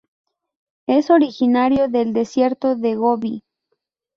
Es originario del Desierto de Gobi.